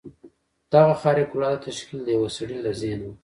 دغه خارق العاده تشکیل د یوه سړي له ذهنه و